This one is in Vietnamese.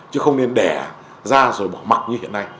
chứ không nên đẻ ra rồi bỏ mặt như hiện nay